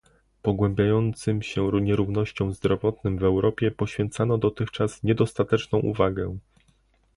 Pogłębiającym się nierównościom zdrowotnym w Europie poświęcano dotychczas niedostateczną uwagę